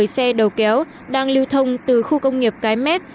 một mươi xe đầu kéo đang lưu thông từ khu công nghiệp cái mép